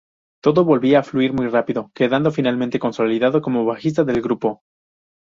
Todo volvía a fluir muy rápido, quedando finalmente consolidado como bajista del grupo.